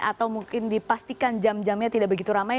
atau mungkin dipastikan jam jamnya tidak begitu ramai